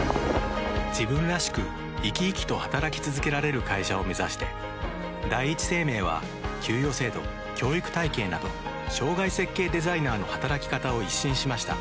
自分らしく生き生きと働き続けられる会社を目指して第一生命は給与制度教育体系など生涯設計デザイナーの働き方を一新しました。